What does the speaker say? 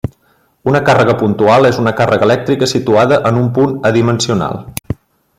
Una càrrega puntual és una càrrega elèctrica situada en un punt adimensional.